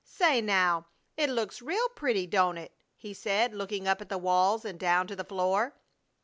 "Say, now, it looks real pretty, don't it?" he said, looking up at the walls and down to the floor.